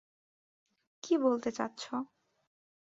কি বলতে চাচ্ছো।